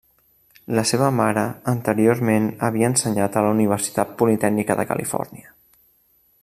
La seva mare anteriorment havia ensenyat a la Universitat Politècnica de Califòrnia.